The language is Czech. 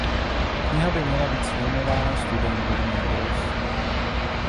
Kniha by měla být zfilmována studiem Warner Bros.